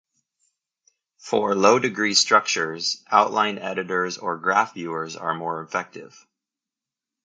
For low-degree structures, outline editors or graph viewers are more effective.